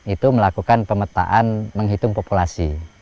itu melakukan pemetaan menghitung populasi